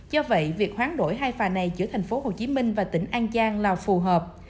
do vậy việc hoán đổi hai phà này giữa tp hcm và tỉnh an giang là phù hợp